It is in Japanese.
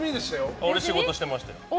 俺は仕事してましたよ。